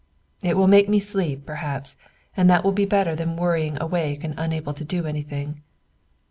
"It will make me sleep, perhaps; and that will be better than worrying awake and unable to do anything."